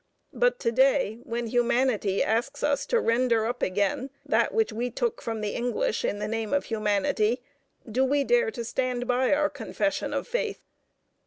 But to day, when humanity asks us to render up again that which we took from the English in the name of humanity, do we dare to stand by our confession of faith?